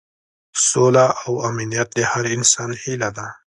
سوله او امنیت د هر انسان هیله ده.